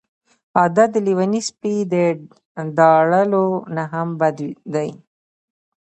عادت د لیوني سپي د داړلو نه هم بد دی.